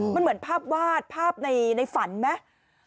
มันเหมือนภาพวาดภาพในฝันไหม